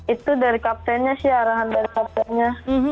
itu dari kaptennya sih arahan dari kaptennya